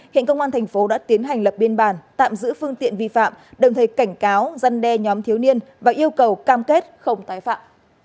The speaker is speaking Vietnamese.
hiện công an thành phố đã tiến hành lập biên bản tạm giữ phương tiện vi phạm đồng thời cảnh cáo giăn đe nhóm thiếu niên và yêu cầu cam kết không tái phạm